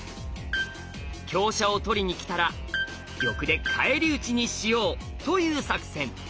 香車を取りにきたら玉で返り討ちにしよう！という作戦。